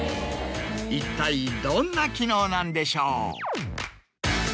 一体どんな機能なんでしょう？